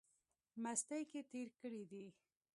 مستۍ کښې تېر کړی دی۔